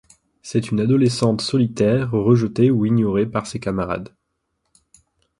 C'est une adolescente solitaire rejetée ou ignorée par ses camarades.